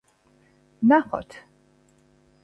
ვნახოთ.